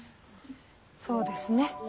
そうですね。